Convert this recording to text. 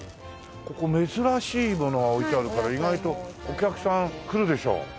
ここ珍しいものが置いてあるから意外とお客さん来るでしょ？